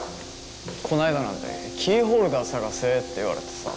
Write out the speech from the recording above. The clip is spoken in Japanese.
こないだなんてキーホルダー探せって言われてさ。